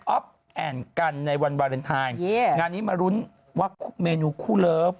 ออฟแอนด์กันในวันวาเลนไทน์งานนี้มารุ้นวักษณ์เมนูคู่เลิฟ